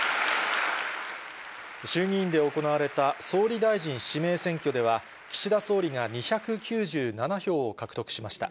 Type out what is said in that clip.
衆議院で行われた総理大臣指名選挙では、岸田総理が２９７票を獲得しました。